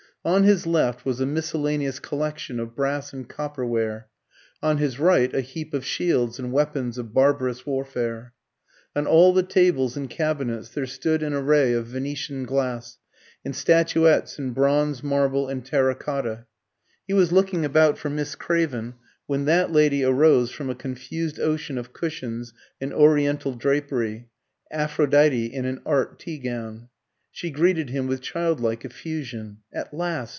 On his left was a miscellaneous collection of brass and copper ware, on his right a heap of shields and weapons of barbarous warfare. On all the tables and cabinets there stood an array of Venetian glass, and statuettes in bronze, marble, and terra cotta. He was looking about for Miss Craven, when that lady arose from a confused ocean of cushions and Oriental drapery Aphrodite in an "Art" tea gown. She greeted him with childlike effusion. "At last!